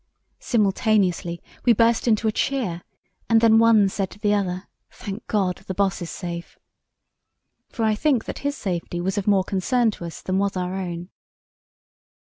Simultaneously we burst into a cheer, and then one said to the other, 'Thank God, the Boss is safe.' For I think that his safety was of more concern to us than was our own.